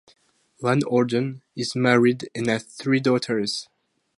Van Orden is married and has three daughters.